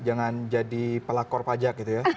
jangan jadi pelakor pajak gitu ya